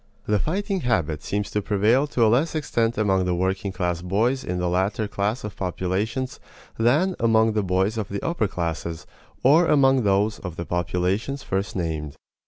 The fighting habit seems to prevail to a less extent among the working class boys in the latter class of populations than among the boys of the upper classes or among those of the populations first named.